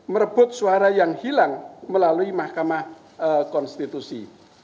merebut suara yang hilang melalui mahkamah konstitusi